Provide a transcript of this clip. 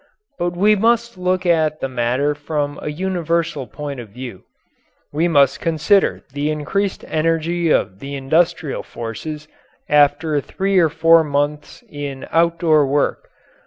But we must look at the matter from a universal point of view. We must consider the increased energy of the industrial forces after three or four months in outdoor work.